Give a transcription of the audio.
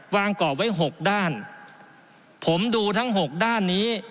กรอบไว้หกด้านผมดูทั้งหกด้านนี้